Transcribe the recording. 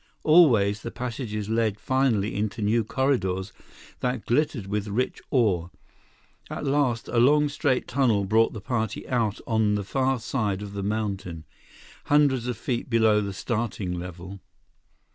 Always, the passages led finally into new corridors that glittered with rich ore. At last, a long straight tunnel brought the party out on the far side of the mountain, hundreds of feet below the starting level.